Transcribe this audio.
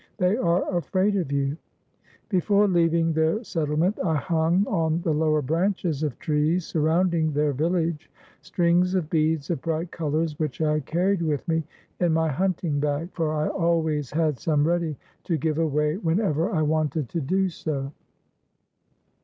They are afraid of you." Before leaving their settlement I hung on the lower branches of trees surrounding their village strings of beads of bright colors which I carried with me in my hunting bag, for I always had some ready to give away whenever I wanted to do so.